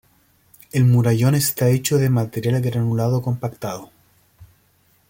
El murallón está hecho de material granulado compactado.